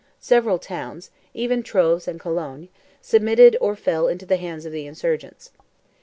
Several towns, even Troves and Cologne, submitted or fell into the hands of the insurgents.